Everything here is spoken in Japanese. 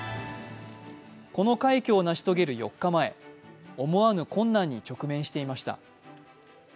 この快挙を成し遂げる４日前、思わぬ困難に直面していました。